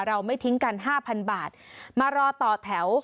ไม่ทิ้งกัน๕๐๐บาทมารอต่อแถว